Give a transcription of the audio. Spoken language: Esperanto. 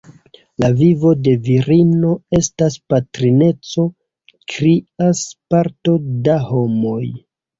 La vivo de virino estas patrineco, krias parto da homoj.